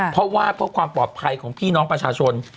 เพราะว่าเพื่อความปลอดภัยของพี่น้องประชาชน